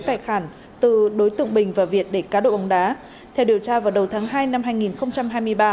tài khoản từ đối tượng bình và việt để cá độ bóng đá theo điều tra vào đầu tháng hai năm hai nghìn hai mươi ba